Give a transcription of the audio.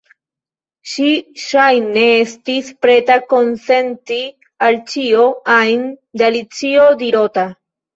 Ŝi ŝajne estis preta konsenti al ĉio ajn de Alicio dirota.